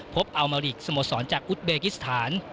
อัลมาริกสโมสรจากอุทเบกิสถาน